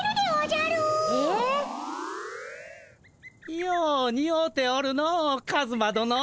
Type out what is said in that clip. ようにおうておるのカズマどの。